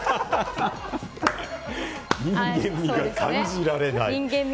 人間味が感じられない。